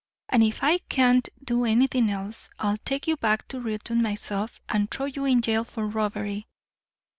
And if I can't do anything else, I'll take you back to Reuton myself and throw you in jail for robbery."